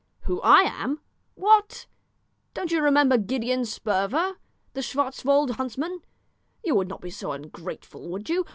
"Who I am? What! don't you remember Gideon Sperver, the Schwartzwald huntsman? You would not be so ungrateful, would you?